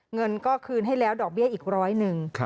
เงินก็คืนให้แล้วดอกเบี้ยอีกร้อยหนึ่ง